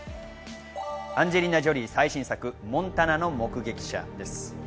アンジェリーナ・ジョリー最新作『モンタナの目撃者』です。